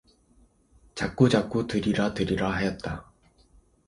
자꾸자꾸 들이라 들이라 하였다.